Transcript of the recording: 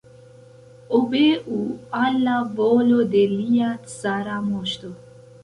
Obeu al la volo de lia cara moŝto!